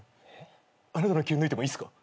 あなたの切り抜いてもいいっすか？